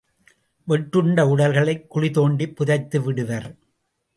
வெட்டுண்ட உடல்களைக் குழி தோண்டிப் புதைத்துவிடுவர்.